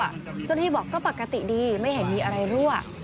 เจ้าหน้าที่บอกก็ปกติดีไม่เห็นมีอะไรรั่ว